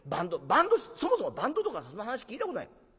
バンドそもそもバンドとかそんな話聞いたことない。